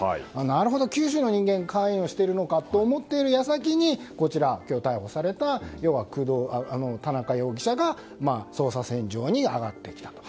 なるほど、九州の人間が関与しているのかと思っている矢先に今日、逮捕された田中容疑者が、捜査線上に上がってきたと。